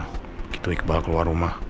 begitu iqbal keluar rumah